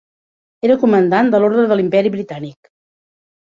Era comandant de l'Orde de l'Imperi Britànic.